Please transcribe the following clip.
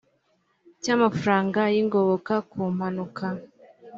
cy amafaranga y ingoboka ku mpanuka